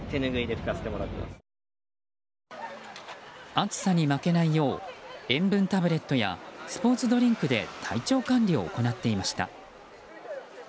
暑さに負けないよう塩分タブレットやスポーツドリンクで体調管理を行っていました。